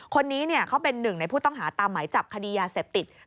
คนนี้เขาเป็นหนึ่งในผู้ต้องหาตามหมายจับคดียาเสพติด